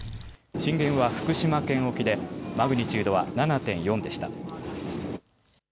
震源は福島県沖でマグニチュードは７．４でした。